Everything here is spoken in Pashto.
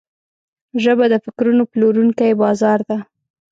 ژبه د فکرونو پلورونکی بازار ده